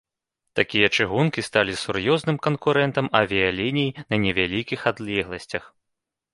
Такія чыгункі сталі сур'ёзным канкурэнтам авіяліній на невялікіх адлегласцях.